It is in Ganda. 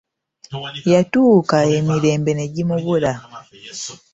Yatuuka emirembe ne gimubula.